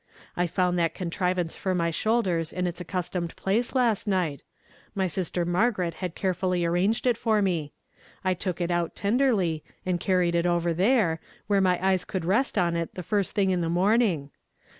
I found that contrivance for my shoulders in its accustomed place last night; my sister lAlargaret had carefully arranged it for me. I took it out tenderly, and carried it over there, where my eyes could rest on it the fii st thing in the morning